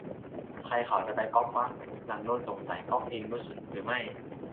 ใครเขาจะไปก๊อปวะ หลังโดนสงสัย ก๊อปเพลงนุชหรือไม่